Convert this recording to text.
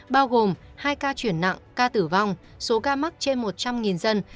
bao gồm hai ca chuyển nặng ca tử vong số ca mắc trên một trăm linh dân